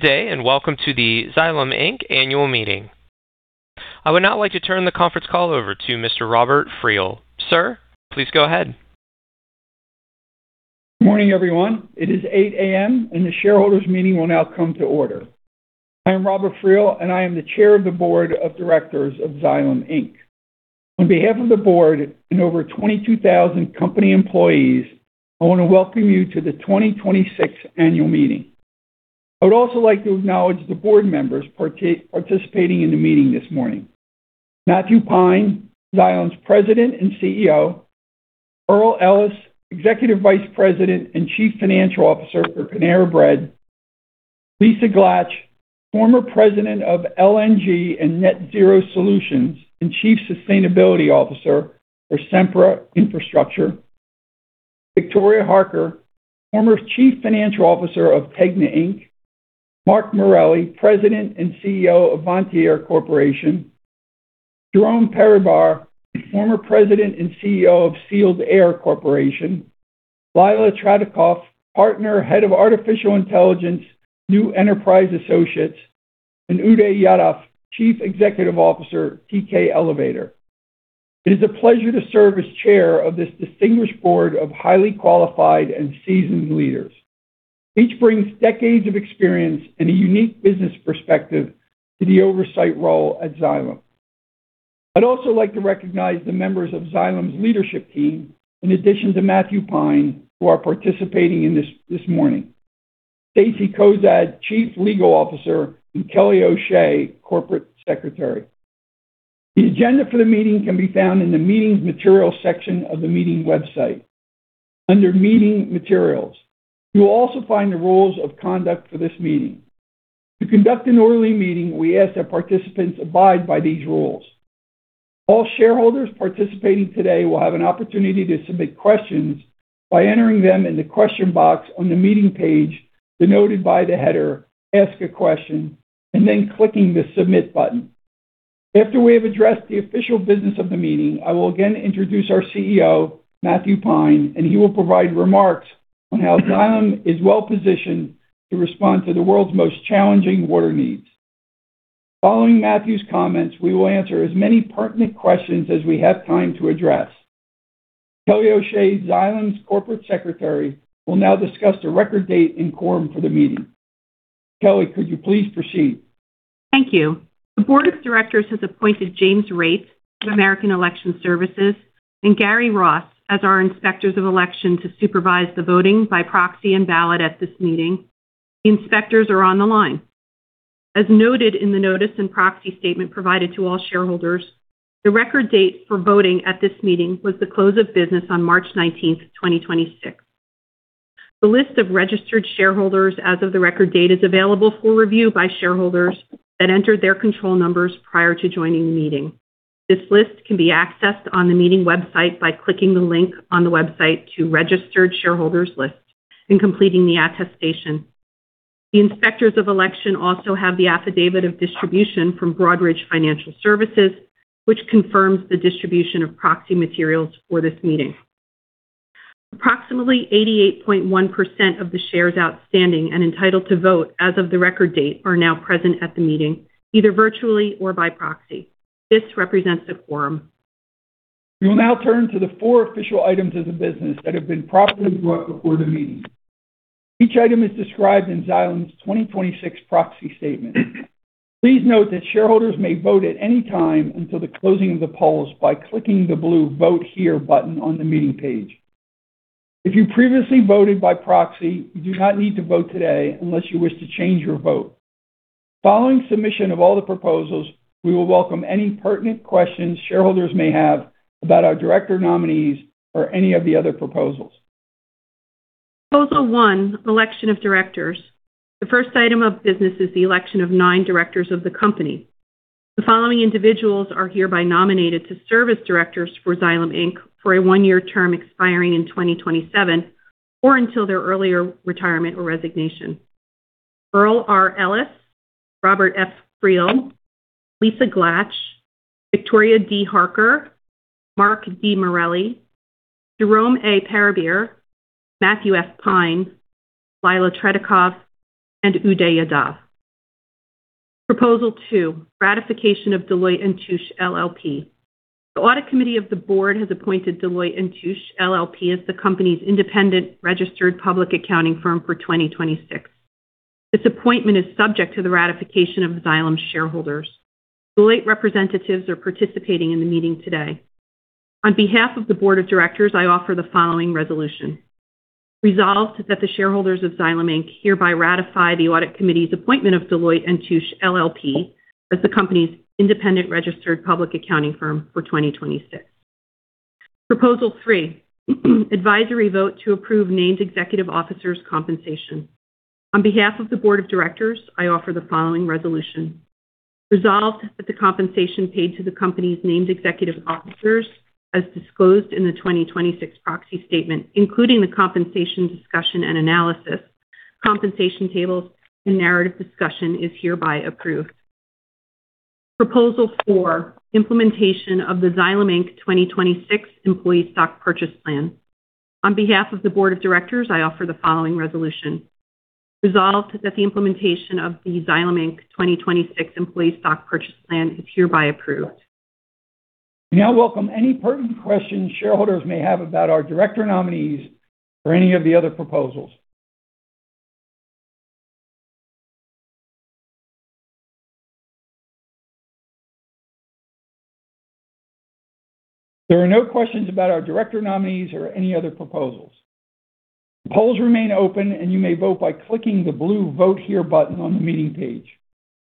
Good day, welcome to the Xylem Inc. Annual Meeting. I would now like to turn the conference call over to Mr. Robert Friel. Sir, please go ahead. Morning, everyone. It is 8:00 A.M., and the shareholders meeting will now come to order. I am Robert Friel, and I am the Chair of the Board of Directors of Xylem Inc. On behalf of the Board and over 22,000 company employees, I wanna welcome you to the 2026 annual meeting. I would also like to acknowledge the Board members participating in the meeting this morning. Matthew Pine, Xylem's President and CEO. Earl Ellis, Executive Vice President and Chief Financial Officer for Panera Bread. Lisa Glatch, former President of LNG and Net Zero Solutions and Chief Sustainability Officer for Sempra Infrastructure. Victoria Harker, former Chief Financial Officer of TEGNA Inc. Mark Morelli, President and CEO of Vontier Corporation. Jerome Peribere, former President and CEO of Sealed Air Corporation. Lila Tretikov, Partner, Head of Artificial Intelligence, New Enterprise Associates, and Uday Yadav, Chief Executive Officer, TK Elevator. It is a pleasure to serve as chair of this distinguished board of highly qualified and seasoned leaders. Each brings decades of experience and a unique business perspective to the oversight role at Xylem. I'd also like to recognize the members of Xylem's leadership team, in addition to Matthew Pine, who are participating in this morning: Stacy Cozad, Chief Legal Officer, and Kelly O'Shea, Corporate Secretary. The agenda for the meeting can be found in the Meetings Materials section of the meeting website under Meeting Materials. You'll also find the rules of conduct for this meeting. To conduct an orderly meeting, we ask that participants abide by these rules. All shareholders participating today will have an opportunity to submit questions by entering them in the question box on the meeting page denoted by the header Ask a Question and then clicking the Submit button. After we have addressed the official business of the meeting, I will again introduce our CEO Matthew Pine, and he will provide remarks on how Xylem is well-positioned to respond to the world's most challenging water needs. Following Matthew's comments, we will answer as many pertinent questions as we have time to address. Kelly O'Shea, Xylem's Corporate Secretary, will now discuss the record date and quorum for the meeting. Kelly, could you please proceed? Thank you. The Board of Directors has appointed Jim Raitt of American Election Services, LLC and Gary Ross as our Inspectors of Election to supervise the voting by proxy and ballot at this meeting. The inspectors are on the line. As noted in the notice and proxy statement provided to all shareholders, the record date for voting at this meeting was the close of business on March 19th, 2026. The list of registered shareholders as of the record date is available for review by shareholders that entered their control numbers prior to joining the meeting. This list can be accessed on the meeting website by clicking the link on the website to Registered Shareholders List and completing the attestation. The inspectors of election also have the affidavit of distribution from Broadridge Financial Solutions, Inc., which confirms the distribution of proxy materials for this meeting. Approximately 88.1% of the shares outstanding and entitled to vote as of the record date are now present at the meeting, either virtually or by proxy. This represents a quorum. We will now turn to the four official items of the business that have been properly brought before the meeting. Each item is described in Xylem's 2026 proxy statement. Please note that shareholders may vote at any time until the closing of the polls by clicking the blue Vote Here button on the meeting page. If you previously voted by proxy, you do not need to vote today unless you wish to change your vote. Following submission of all the proposals, we will welcome any pertinent questions shareholders may have about our director nominees or any of the other proposals. Proposal 1, Election of Directors. The first item of business is the election of nine directors of the company. The following individuals are hereby nominated to serve as directors for Xylem Inc. for a 1-year term expiring in 2027 or until their earlier retirement or resignation. Earl R. Ellis, Robert F. Friel, Lisa Glatch, Victoria D. Harker, Mark D. Morelli, Jerome A. Peribere, Matthew F. Pine, Lila Tretikov, and Uday Yadav. Proposal 2, ratification of Deloitte & Touche LLP. The audit committee of the board has appointed Deloitte & Touche LLP as the company's independent registered public accounting firm for 2026. This appointment is subject to the ratification of Xylem shareholders. Deloitte representatives are participating in the meeting today. On behalf of the Board of Directors, I offer the following resolution. Resolved that the shareholders of Xylem Inc. Hereby ratify the audit committee's appointment of Deloitte & Touche LLP as the company's independent registered public accounting firm for 2026. Proposal 3, advisory vote to approve named executive officers' compensation. On behalf of the Board of Directors, I offer the following resolution. Resolved that the compensation paid to the company's named Executive Officers, as disclosed in the 2026 proxy statement, including the compensation discussion and analysis, compensation tables and narrative discussion is hereby approved. Proposal 4, implementation of the Xylem Inc. 2026 employee stock purchase plan. On behalf of the board of directors, I offer the following resolution. Resolved, that the implementation of the Xylem Inc. 2026 employee stock purchase plan is hereby approved. We now welcome any pertinent questions shareholders may have about our director nominees or any of the other proposals. If there are no questions about our director nominees or any other proposals. The polls remain open, and you may vote by clicking the blue Vote Here button on the meeting page.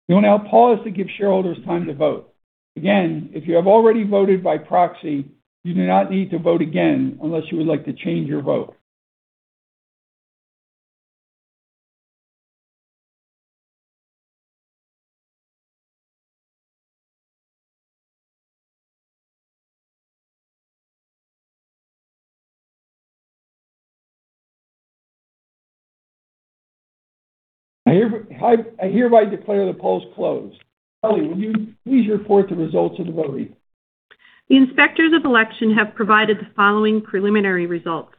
We will now pause to give shareholders time to vote. Again, if you have already voted by proxy, you do not need to vote again unless you would like to change your vote. I hereby declare the polls closed. Kelly, will you please report the results of the voting? The Inspectors of Election have provided the following preliminary results.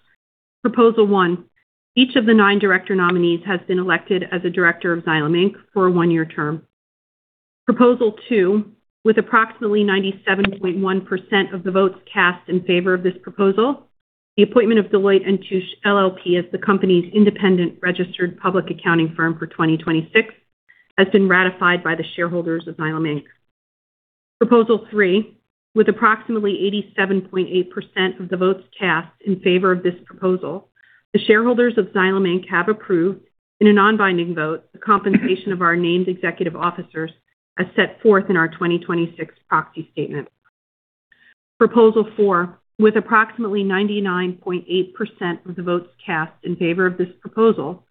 Proposal one, each of the nine director nominees has been elected as a director of Xylem Inc. for a one-year term. Proposal two, with approximately 97.1% of the votes cast in favor of this proposal, the appointment of Deloitte & Touche LLP as the company's independent registered public accounting firm for 2026 has been ratified by the shareholders of Xylem Inc. Proposal three, with approximately 87.8% of the votes cast in favor of this proposal, the shareholders of Xylem Inc. have approved, in a non-binding vote, the compensation of our named executive officers as set forth in our 2026 proxy statement. Proposal four, with approximately 99.8% of the votes cast in favor of this proposal,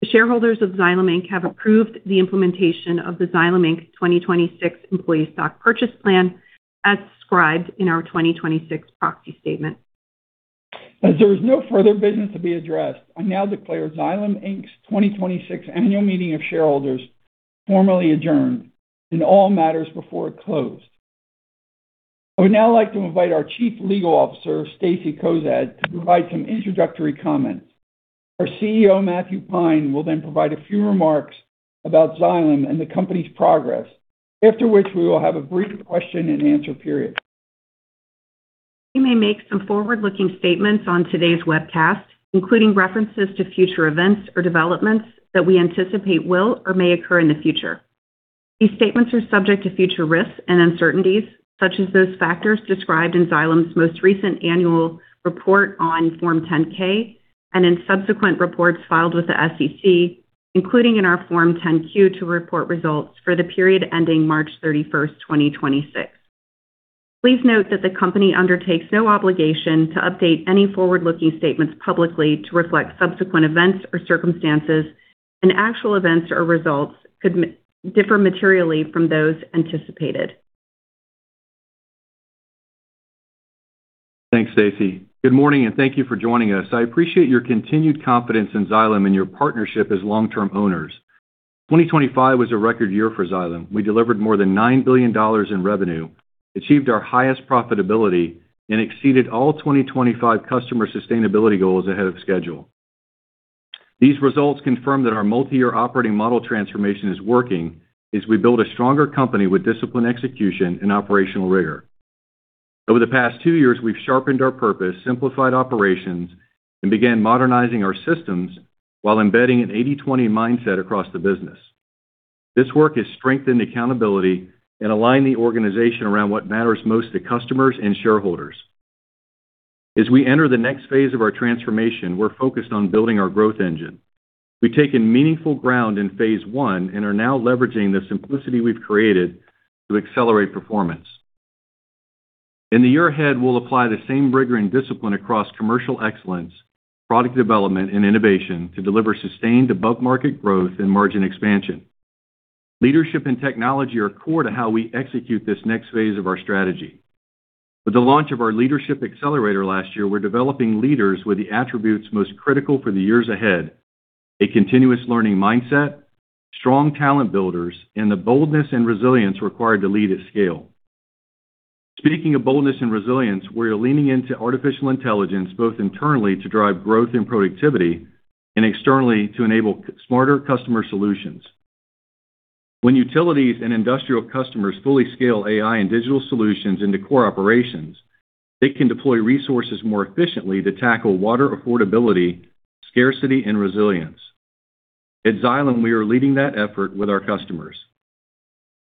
the shareholders of Xylem Inc. have approved the implementation of the Xylem Inc. 2026 Employee Stock Purchase Plan as described in our 2026 proxy statement. As there is no further business to be addressed, I now declare Xylem Inc.'s 2026 annual meeting of shareholders formally adjourned in all matters before it closed. I would now like to invite our Chief Legal Officer, Stacy Cozad, to provide some introductory comments. Our CEO, Matthew Pine, will then provide a few remarks about Xylem and the company's progress, after which we will have a brief question and answer period. We may make some forward-looking statements on today's webcast, including references to future events or developments that we anticipate will or may occur in the future. These statements are subject to future risks and uncertainties, such as those factors described in Xylem's most recent annual report on Form 10-K and in subsequent reports filed with the SEC, including in our Form 10-Q to report results for the period ending March 31, 2026. Please note that the company undertakes no obligation to update any forward-looking statements publicly to reflect subsequent events or circumstances. Actual events or results could differ materially from those anticipated. Thanks, Stacy. Good morning, thank you for joining us. I appreciate your continued confidence in Xylem and your partnership as long-term owners. 2025 was a record year for Xylem. We delivered more than $9 billion in revenue, achieved our highest profitability, and exceeded all 2025 customer sustainability goals ahead of schedule. These results confirm that our multi-year operating model transformation is working as we build a stronger company with disciplined execution and operational rigor. Over the past two years, we've sharpened our purpose, simplified operations, and began modernizing our systems while embedding an 80/20 mindset across the business. This work has strengthened accountability and aligned the organization around what matters most to customers and shareholders. As we enter the next phase of our transformation, we're focused on building our growth engine. We've taken meaningful ground in phase 1 and are now leveraging the simplicity we've created to accelerate performance. In the year ahead, we'll apply the same rigor and discipline across commercial excellence, product development, and innovation to deliver sustained above-market growth and margin expansion. Leadership and technology are core to how we execute this next phase of our strategy. With the launch of our Leadership Accelerator last year, we're developing leaders with the attributes most critical for the years ahead, a continuous learning mindset, strong talent builders, and the boldness and resilience required to lead at scale. Speaking of boldness and resilience, we are leaning into artificial intelligence, both internally to drive growth and productivity, and externally to enable smarter customer solutions. When utilities and industrial customers fully scale AI and digital solutions into core operations, they can deploy resources more efficiently to tackle water affordability, scarcity, and resilience. At Xylem, we are leading that effort with our customers.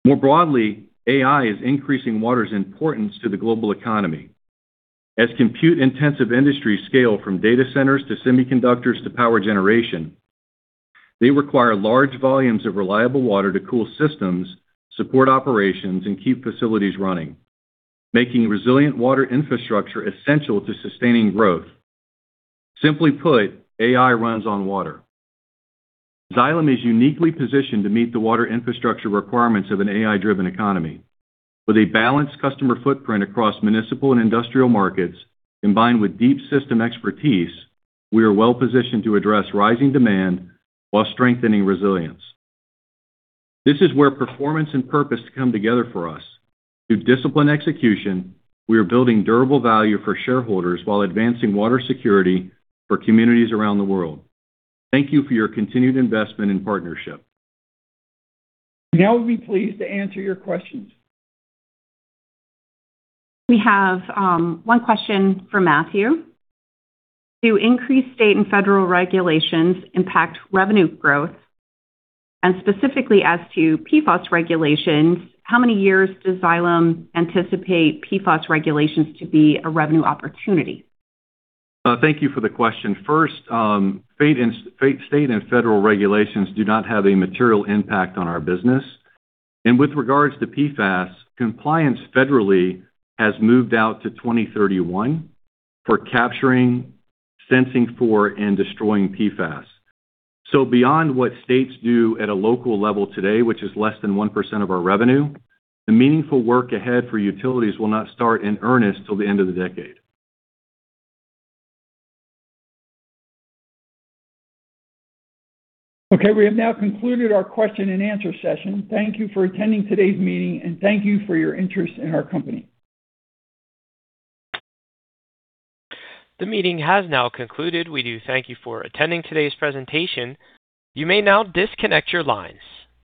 More broadly, AI is increasing water's importance to the global economy. As compute-intensive industries scale from data centers to semiconductors to power generation, they require large volumes of reliable water to cool systems, support operations, and keep facilities running, making resilient water infrastructure essential to sustaining growth. Simply put, AI runs on water. Xylem is uniquely positioned to meet the water infrastructure requirements of an AI-driven economy. With a balanced customer footprint across municipal and industrial markets, combined with deep system expertise, we are well-positioned to address rising demand while strengthening resilience. This is where performance and purpose come together for us. Through disciplined execution, we are building durable value for shareholders while advancing water security for communities around the world. Thank you for your continued investment and partnership. We now would be pleased to answer your questions. We have one question for Matthew. Do increased state and federal regulations impact revenue growth? Specifically as to PFAS regulations, how many years does Xylem anticipate PFAS regulations to be a revenue opportunity? Thank you for the question. First, state and federal regulations do not have a material impact on our business. With regards to PFAS, compliance federally has moved out to 2031 for capturing, sensing for, and destroying PFAS. Beyond what states do at a local level today, which is less than 1% of our revenue, the meaningful work ahead for utilities will not start in earnest till the end of the decade. We have now concluded our question and answer session. Thank you for attending today's meeting, and thank you for your interest in our company. The meeting has now concluded. We do thank you for attending today's presentation. You may now disconnect your lines.